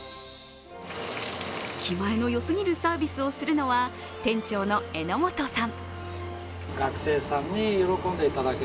気前のよすぎるサービスをするのは、店長の榎本さん。